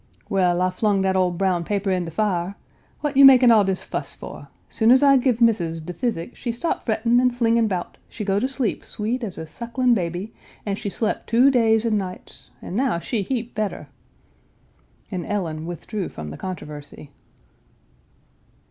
"Well, I flung dat ole brown paper in de fire. What you makin' all dis fuss for? Soon as I give Missis de physic, she stop frettin' an' flingin' 'bout, she go to sleep sweet as a suckling baby, an' she slep two days an' nights, an' now she heap better." And Ellen withdrew from the controversy.